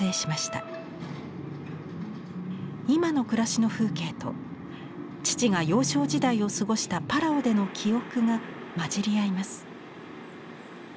今の暮らしの風景と父が幼少時代を過ごしたパラオでの記憶が交じり合います。